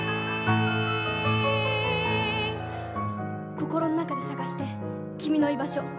「心の中で探して君の居場所。